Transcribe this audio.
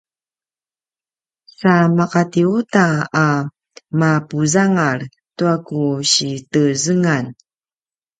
sa maqati uta a mapuzangal tua ku si tezengan